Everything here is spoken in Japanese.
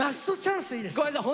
ごめんなさい！